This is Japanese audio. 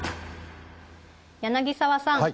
柳澤さん！